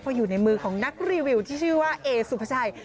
พออยู่ในมือของนักรีวิวที่ชื่อว่าเอสุภาชัย